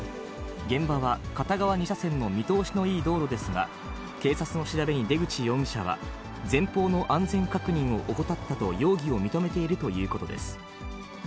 現場は片側２車線の見通しのいい道路ですが、警察の調べに出口容疑者は、前方の安全確認を怠ったと容疑を認めているということです。